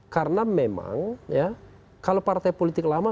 karena memang kalau partai politik lama